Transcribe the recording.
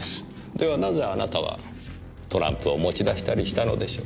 ではなぜあなたはトランプを持ち出したりしたのでしょう？